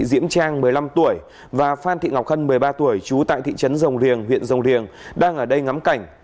diễm trang một mươi năm tuổi và phan thị ngọc hân một mươi ba tuổi chú tại thị trấn rồng liềng huyện rồng liềng đang ở đây ngắm cảnh